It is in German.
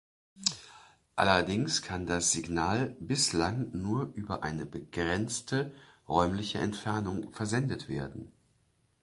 Allerdings kann das Signal bislang nur über eine begrenzte räumliche Entfernung versendet werden.